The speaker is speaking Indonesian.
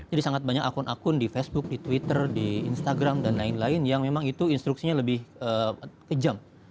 jadi sangat banyak akun akun di facebook di twitter di instagram dan lain lain yang memang itu instruksinya lebih kejam